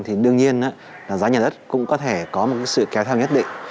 thì đương nhiên giá nhà đất cũng có thể có một sự kéo theo nhất định